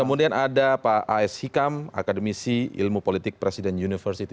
kemudian ada pak as hikam akademisi ilmu politik presiden university